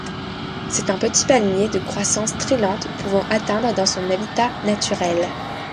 C'est un petit palmier de croissance très lente pouvant atteindre dans son habitat naturel.